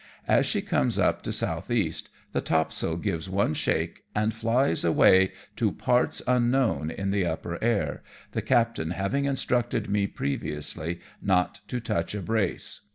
As she comes up to S.E., the topsail gives one shake, and flies away to parts unknown in the upper air, the captain having instructed me previously not to touch a brace.